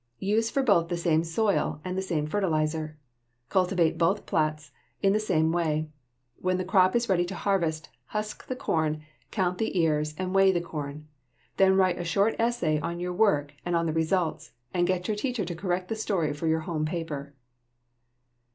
Use for both the same soil and the same fertilizer. Cultivate both plats in the same way. When the crop is ready to harvest, husk the corn, count the ears, and weigh the corn. Then write a short essay on your work and on the results and get your teacher to correct the story for your home paper.